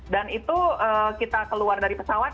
dan itu kita keluar dari pesawat